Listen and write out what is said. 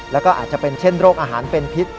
แล้วก็อาจจะเป็นเช่นโรคอาหารเป็นพิษ